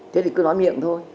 thế thì cứ nói miệng thôi